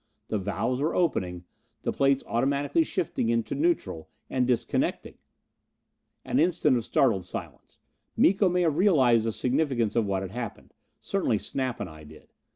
The valves were opening; the plates automatically shifting into neutral, and disconnecting! An instant of startled silence. Miko may have realized the significance of what had happened. Certainly Snap and I did.